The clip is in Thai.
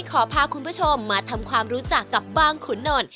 ขอพาคุณผู้ชมมาทำความรู้จักกับบางขุนนล